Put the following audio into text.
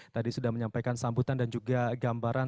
tadi sudah menyampaikan sambutan dan juga gambaran